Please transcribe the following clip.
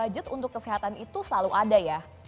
budget untuk kesehatan itu selalu ada ya